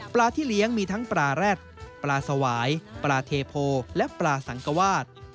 ที่เลี้ยงมีทั้งปลาแร็ดปลาสวายปลาเทโพและปลาสังกวาส